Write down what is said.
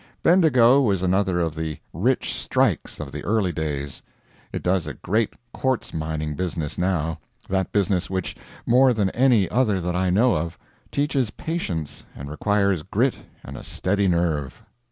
Bendigo was another of the rich strikes of the early days. It does a great quartz mining business, now that business which, more than any other that I know of, teaches patience, and requires grit and a steady nerve.